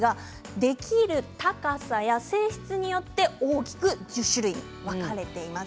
できる高さや性質によって大きく１０種類に分かれています。